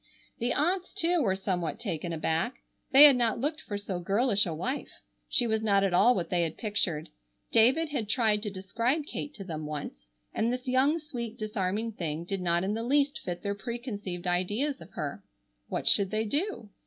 The aunts, too, were somewhat taken aback. They had not looked for so girlish a wife. She was not at all what they had pictured. David had tried to describe Kate to them once, and this young, sweet, disarming thing did not in the least fit their preconceived ideas of her. What should they do?